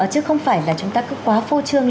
chúng ta cứ quá phô trương